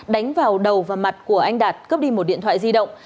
đánh vào đầu và mặt của anh đạt cướp đi một điện thoại di động